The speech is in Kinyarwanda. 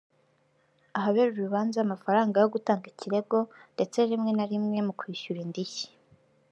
ahabera urubanza amafaranga yo gutanga ikirego ndetse rimwe na rimwe mu kwishyura indishyi